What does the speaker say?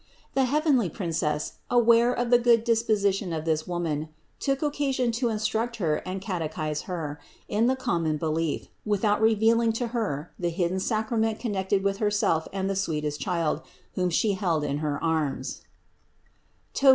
The heavenly Princess, aware of the good disposition of this woman, took occasion to instruct her and catechize her in the common belief, without reveal ing to her the hidden sacrament connected with Herself and the sweetest Child whom She held in her arms (Tob.